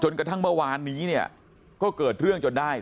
กระทั่งเมื่อวานนี้เนี่ยก็เกิดเรื่องจนได้